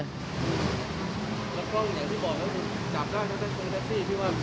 แล้วก็อย่างที่บอกว่าจับได้ตั้งแต่ทางแท็กซี่พี่ว่า